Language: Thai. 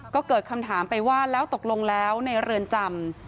ก็เกิดคำถามไปว่าแล้วตกลงแล้วในเรือนจำ